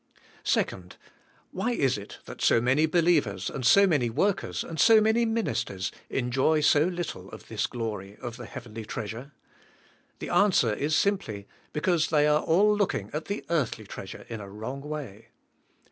2. Why is it that so many believers, and so many workers, and so many ministers, enjoy so little of this glory of the heavenly treasure? The answer is simply, because they are all looking at the earthly treasure in a wrong way.